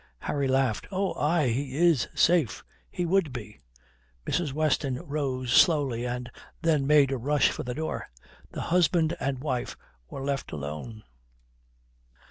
Harry laughed. "Oh aye, he is safe. He would be." Mrs. Weston rose slowly and then made a rush for the door. The husband and wife were left alone.